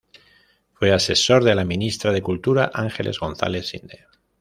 Fue asesor de la ministra de cultura Ángeles González-Sinde.